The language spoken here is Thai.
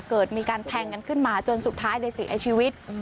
เกิดมีการแทงกันขึ้นมาจนสุดท้ายเลยเสียชีวิต